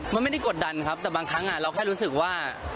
มันไม่ได้กดดันครับแต่บางครั้งเราแค่รู้สึกว่า